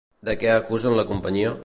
De què acusen la companyia?